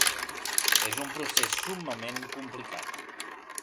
És un procés summament complicat.